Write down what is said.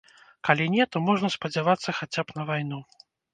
Калі не, то можна спадзявацца хаця б на вайну.